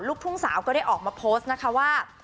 ลูกทุ่งสาวก็ได้ออกมาโพสต์นะคะว่า